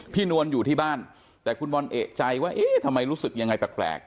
นวลอยู่ที่บ้านแต่คุณบอลเอกใจว่าเอ๊ะทำไมรู้สึกยังไงแปลก